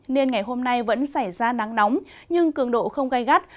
nên ngày hôm nay vẫn xảy ra nắng nóng nhưng cường độ không gai gắt